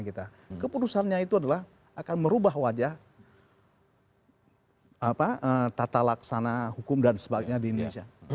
keputusannya itu adalah akan merubah wajah tata laksana hukum dan sebagainya di indonesia